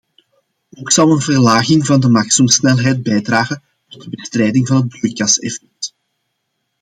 Ook zou een verlaging van de maximumsnelheid bijdragen tot de bestrijding van het broeikaseffect.